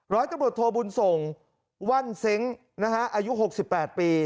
ร้อยตำรวจโทบุญส่งว่อนเซ้งอายุ๖๘ปี